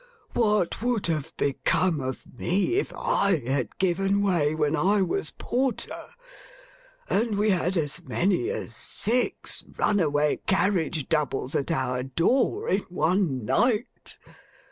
What would have become of me if I had given way when I was porter, and we had as many as six runaway carriage doubles at our door in one night!